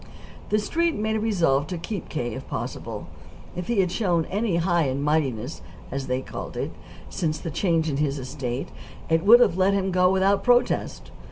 The Street made a resolve to keep K., if possible. If he had shown any "high and mightiness," as they called it, since the change in his estate, it would have let him go without protest.